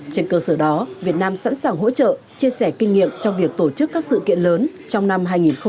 trên cơ sở đó việt nam sẵn sàng hỗ trợ chia sẻ kinh nghiệm trong việc tổ chức các sự kiện lớn trong năm hai nghìn một mươi chín